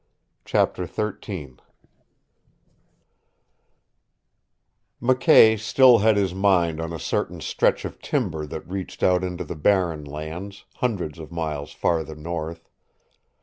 CHAPTER XIII McKay still had his mind on a certain stretch of timber that reached out into the Barren Lands, hundreds of miles farther north.